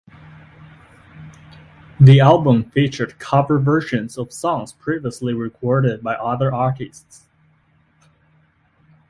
The album featured cover versions of songs previously recorded by other artists.